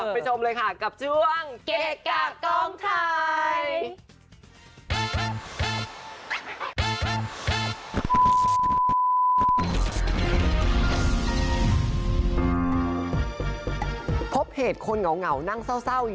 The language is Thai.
ไปชมเลยค่ะกับช่วงเกะกะกองไทย